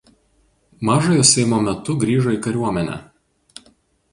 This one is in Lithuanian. Mažojo Seimo metu grįžo į kariuomenę.